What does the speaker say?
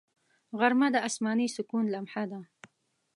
غرمه د آسماني سکون لمحه ده